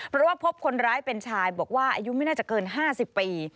เพราะว่าพบคนร้ายเป็นชายบอกว่าอายุไม่น่าจะเกิน๕๐ปี